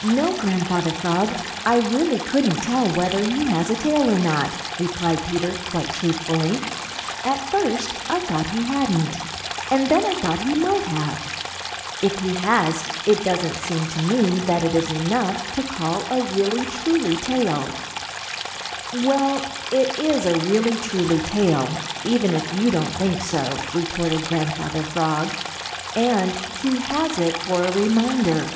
"No, Grandfather Frog. I really couldn't tell whether he has a tail or not," replied Peter quite truthfully. "At first I thought he hadn't, and then I thought he might have. If he has, it doesn't seem to me that it is enough to call a really truly tail." "Well, it is a really truly tail, even if you don't think so," retorted Grandfather Frog, "and he has it for a reminder."